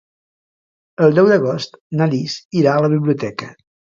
El deu d'agost na Lis irà a la biblioteca.